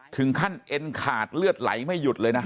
ถึงขั้นเอ็นขาดเลือดไหลไม่หยุดเลยนะ